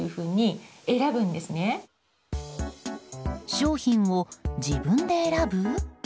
商品を自分で選ぶ？